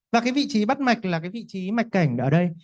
và cái vị trí bắt mạch là cái vị trí mạch cảnh ở đây